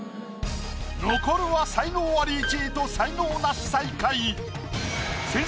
残るは才能アリ１位と才能ナシ最下位。